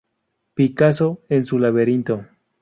Picasso en su laberinto.